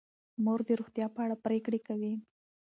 مور د روغتیا په اړه پریکړې کوي.